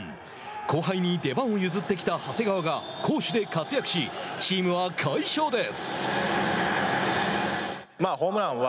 後輩に出番を譲ってきた長谷川が攻守で活躍しチームは快勝です。